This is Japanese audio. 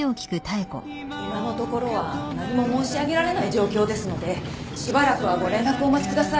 今のところは何も申し上げられない状況ですのでしばらくはご連絡をお待ちください。